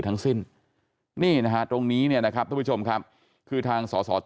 ทั้งสิ้นนี่นะฮะตรงนี้เนี่ยนะครับทุกผู้ชมครับคือทางสอสอ